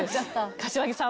柏木さん